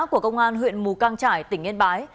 của công an huyện mù căng trải tỉnh yên bái